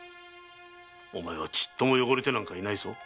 お前はちっとも汚れていないぞ。